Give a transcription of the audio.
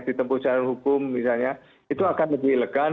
di tempuh jalur hukum misalnya itu akan lebih elegan